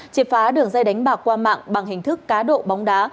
triệt phá đường dây đánh bạc qua mạng bằng hình thức cá độ bóng đá